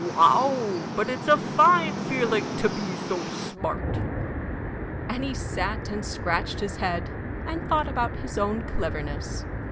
Wow, but it's a fine feeling to be so smart!" And he sat and scratched his head, and thought about his own cleverness.